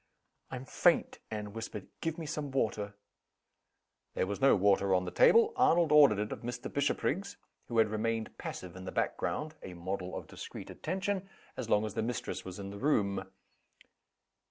"I'm faint!" Anne whispered. "Give me some water." There was no water on the table. Arnold ordered it of Mr. Bishopriggs who had remained passive in the back ground (a model of discreet attention) as long as the mistress was in the room.